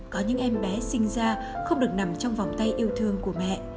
có những em bé sinh ra không được nằm trong vòng tay yêu thương của mẹ